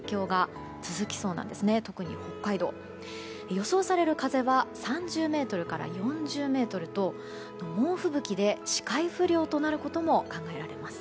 予想される風は３０メートルから４０メートルと猛吹雪で視界不良となることも考えられます。